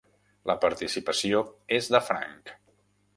La participació és de franc.